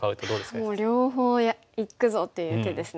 もう両方いくぞっていう手ですね。